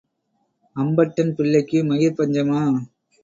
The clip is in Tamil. அம்பட்டன் பிள்ளைக்கு, மயிர் பஞ்சமா?